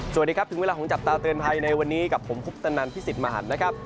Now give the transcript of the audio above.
สวัสดีครับถึงเวลาของจับตาเตือนภัยในวันนี้กับผมคุปตนันพิสิทธิ์มหันนะครับ